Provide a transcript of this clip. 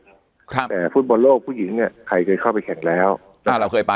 ครับแต่ฟุตบอลโลกผู้หญิงเนี้ยใครเคยเข้าไปแข่งแล้วถ้าเราเคยไป